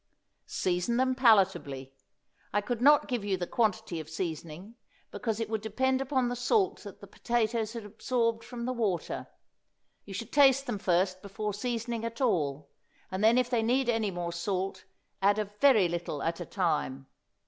Season them palatably; I could not give you the quantity of seasoning because it would depend upon the salt that the potatoes had absorbed from the water. You should taste them first before seasoning at all, and then if they need any more salt add a very little at a time.